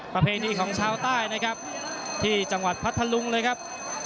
ประเพณีของชาวใต้นะครับที่จังหวัดพัทธลุงเลยครับ